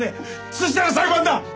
そしたら裁判だ！